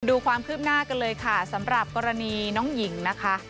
ดูความคืบหน้ากันเลยค่ะสำหรับกรณีน้องหญิงนะคะ